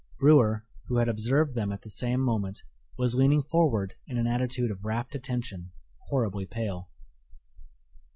Brewer, who had observed them at the same moment, was leaning forward in an attitude of rapt attention, horribly pale.